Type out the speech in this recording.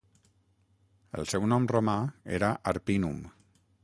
El seu nom romà era Arpinum.